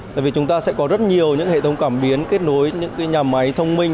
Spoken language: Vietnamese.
tại vì chúng ta sẽ có rất nhiều những hệ thống cảm biến kết nối những nhà máy thông minh